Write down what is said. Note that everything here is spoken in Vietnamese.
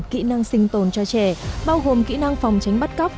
kỹ năng sinh tồn cho trẻ bao gồm kỹ năng phòng tránh bắt cóc